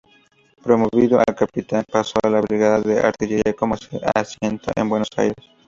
Promovido a capitán, pasó a la brigada de artillería con asiento en Buenos Aires.